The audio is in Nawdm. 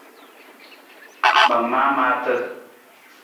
Ma maa maata.